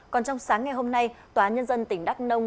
còn trong sáng ngày hôm nay tòa nhân dân tỉnh đắk nông